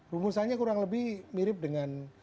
rumusannya kurang lebih mirip dengan